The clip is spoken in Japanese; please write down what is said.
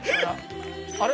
あれ？